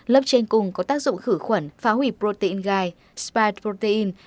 lớp trên cung có tác dụng khử khuẩn phá hủy protein gai spide protein